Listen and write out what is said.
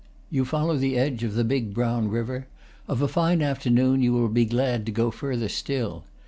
You follow the edge of the big brown river; of a fine afternoon you will be glad to go further still.